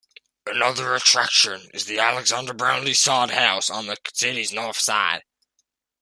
Another attraction is the Alexander Brownlie Sod House, on the city's north side.